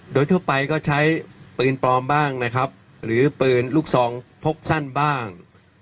โดยทั่วไปก็ใช้ปืนปลอมบ้างนะครับหรือปืนลูกซองพกสั้นบ้าง